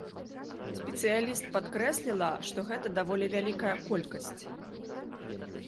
Спецыяліст падкрэсліла, што гэта даволі вялікая колькасць.